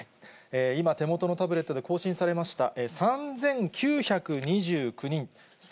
今、手元のタブレットで更新されました。